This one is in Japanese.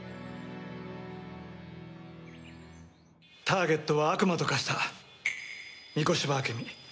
ターゲットは悪魔と化した御子柴朱美。